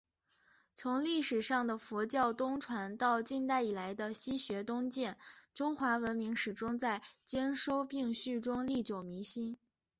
从历史上的佛教东传……到近代以来的“西学东渐”……中华文明始终在兼收并蓄中历久弥新。